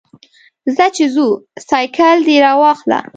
ځه چې ځو، سایکل دې راواخله.